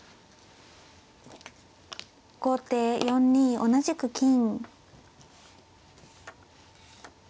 後手４二同じく金。